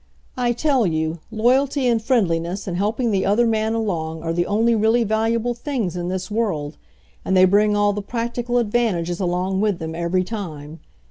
I tell you, loyalty, and friendliness, and helping the other man along are the only really valuable things in this world, and they bring all ihe 'practical' advantages along with them every time.